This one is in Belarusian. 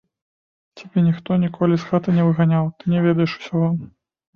Цябе ніхто ніколі з хаты не выганяў, ты не ведаеш усяго.